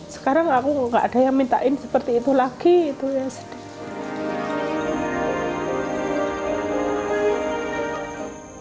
sekarang aku nggak ada yang minta ini seperti itu lagi itu ya sedih